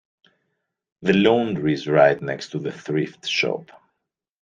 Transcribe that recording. The laundry is right next to the thrift shop.